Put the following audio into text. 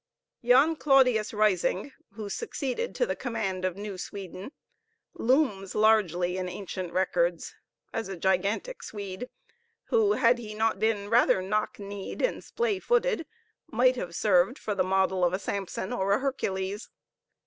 Jan Claudius Risingh, who succeeded to the command of New Sweden, looms largely in ancient records as a gigantic Swede, who, had he not been rather knock kneed and splay footed, might have served for the model of a Samson or a Hercules.